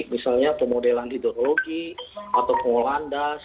misalnya pemodelan hidrologi atau pengolahan das